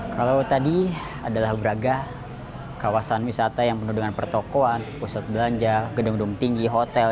kalau tadi adalah braga kawasan wisata yang penuh dengan pertokohan pusat belanja gedung gedung tinggi hotel